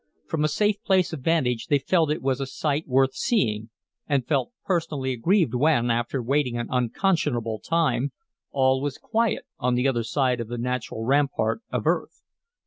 From a safe place of vantage they felt it was a sight worth seeing and felt personally aggrieved when, after waiting an unconscionable time, all was quiet on the other side of the natural rampart of earth.